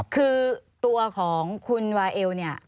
คือตัวของคุณวาเอลเนี่ย